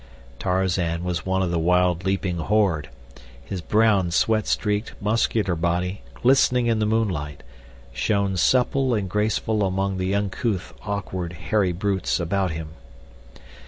Tarzan was one of the wild, leaping horde. His brown, sweat streaked, muscular body, glistening in the moonlight, shone supple and graceful among the uncouth, awkward, hairy brutes about him.